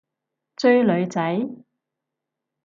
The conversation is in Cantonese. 追女仔？